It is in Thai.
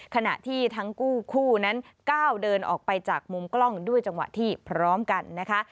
ขณะที่ทั้งคู่คู่นั้นก้าวเดินออกไปจากมุมกล้องด้วยจังหวะที่พร้อมกันนะคะ